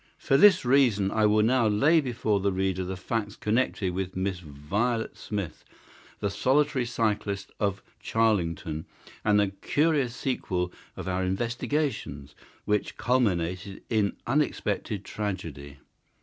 For this reason I will now lay before the reader the facts connected with Miss Violet Smith, the solitary cyclist of Charlington, and the curious sequel of our investigation, which culminated in unexpected tragedy.